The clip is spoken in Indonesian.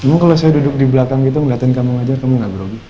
kamu kalau saya duduk di belakang gitu ngeliatin kamu ngajar kamu nggak grogi